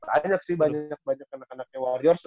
banyak sih banyak banyak anak anaknya warriors